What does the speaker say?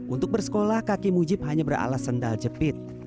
untuk bersekolah kaki mujib hanya beralas sendal jepit